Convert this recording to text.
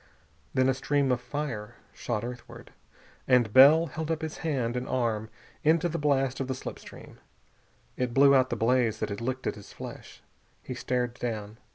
Then a stream of fire shot earthward, and Bell held up his hand and arm into the blast of the slip stream. It blew out the blaze that had licked at his flesh. He stared down.